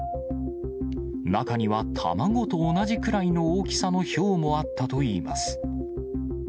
中には卵と同じくらいの大きさのひょうもあったといいます。